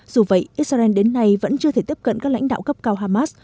dù vậy israel đến nay vẫn chưa thể tiếp cận các lãnh đạo cấp cao hamas